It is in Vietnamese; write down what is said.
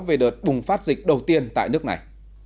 về đợt bùng phát dịch đầu tiên tại nước này